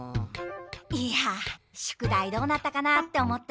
いや宿題どうなったかなって思って。